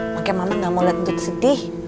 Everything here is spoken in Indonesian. makanya mama gak mau lihat untuk sedih